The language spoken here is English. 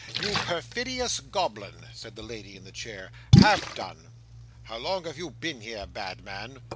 "You perfidious goblin," said the lady in the chair, "have done! How long have you been here, bad man?"